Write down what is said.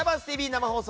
生放送。